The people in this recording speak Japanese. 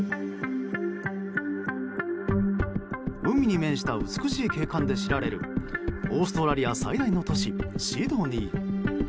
海に面した美しい景観で知られるオーストラリア最大の都市シドニー。